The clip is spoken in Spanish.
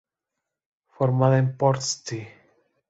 Formada en Port St.